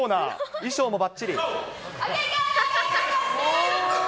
衣装もばっちり。